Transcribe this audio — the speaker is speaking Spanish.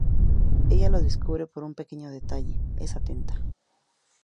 Ella lo descubre por un pequeño detalle, es atenta.